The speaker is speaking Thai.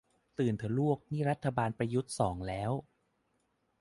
ตื่นเถอะลูกนี่รัฐบาลประยุทธ์สองแล้ว